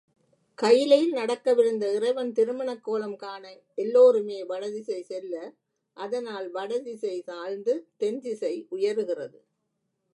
கயிலையில் நடக்கவிருந்த இறைவன் திருமணக்கோலம் காண எல்லோருமே வடதிசை செல்ல, அதனால் வடதிசை தாழ்ந்து தென்திசை உயருகிறது.